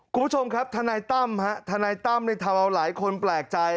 คุณผู้ชมครับทนายตั้มฮะทนายตั้มทำเอาหลายคนแปลกใจ